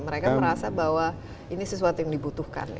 mereka merasa bahwa ini sesuatu yang dibutuhkan